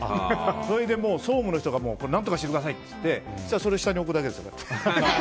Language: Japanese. それで総務の人が何とかしてくださいって言うけどそれを下に置くだけですよ。